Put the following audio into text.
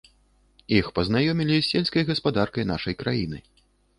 Іх пазнаёмілі і з сельскай гаспадаркай нашай краіны.